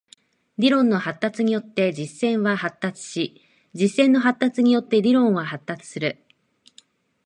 理論の発達によって実践は発達し、実践の発達によって理論は発達する。